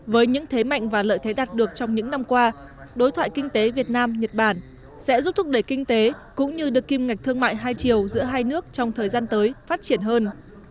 với những thế mạnh và lợi thế đạt được trong những năm qua đối thoại kinh tế việt nam nhật bản sẽ giúp thúc đẩy kinh tế cũng như đưa kim ngạch thương mại hai chiều giữa hai nước trong thời gian tới phát triển hơn